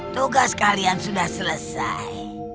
tugas kalian sudah selesai